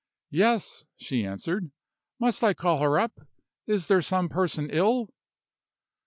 "Yes," she answered. "Must I call her up? Is there some person ill?"